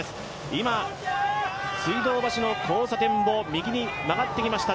今、水道橋の交差点を右に曲がってきました